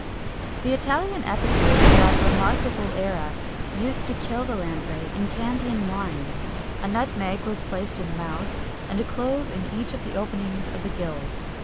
The Italian epicures of that remarkable era used to kill the lamprey in Candian wine. A nutmeg was placed in the mouth, and a clove in each of the openings of the gills.